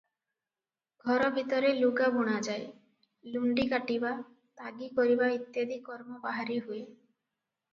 ଘର ଭିତରେ ଲୁଗା ବୁଣାଯାଏ; ଲୁଣ୍ତି କାଟିବା, ତାଗୀ କରିବା ଇତ୍ୟାଦି କର୍ମ ବାହାରେ ହୁଏ ।